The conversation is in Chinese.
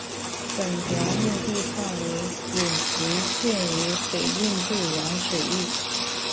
本条目的范围仅局限于北印度洋水域。